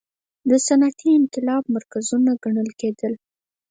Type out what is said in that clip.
د صنعتي انقلاب مرکزونه ګڼل کېدل.